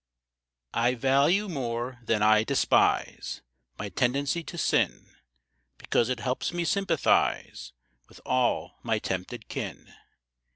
I VALUE more than I despise My tendency to sin, Because it helps me sympathize With all my tempted kin.